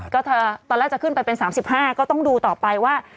ก็ตอนแรกจะขึ้นไปเป็น๓๕ก็ต้องดูต่อไปว่า